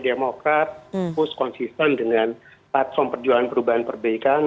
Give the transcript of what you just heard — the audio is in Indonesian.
demokrat terus konsisten dengan platform perjuangan perubahan perbaikan